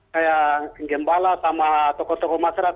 kayak gembala sama tokoh tokoh masyarakat